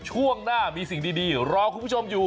ช่วงหน้ามีสิ่งดีรอคุณผู้ชมอยู่